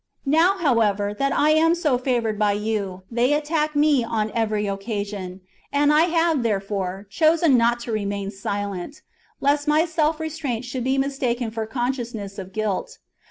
Now, however, that I am so favoured by you, they attack me on every occasion ; and I have, there fore, chosen not to remain silent, lest my self restraint should be mistaken for a consciousness of guilt.